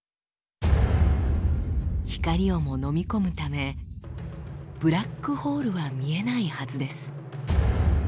光をものみ込むためブラックホールは見えないはずです。